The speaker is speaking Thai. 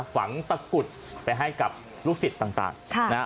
ฝังตะกุดไปให้กับลูกศิษย์ต่างนะฮะ